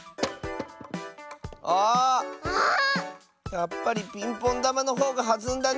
やっぱりピンポンだまのほうがはずんだね。